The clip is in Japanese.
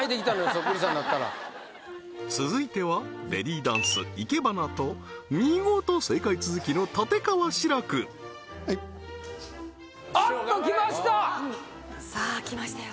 そっくりさんなったら続いてはベリーダンス生け花と見事正解続きの立川志らくはいおっと来ましたさあ来ましたよ